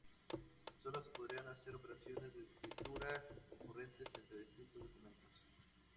Sólo se podrán hacer operaciones de escritura concurrentes entre distintos documentos.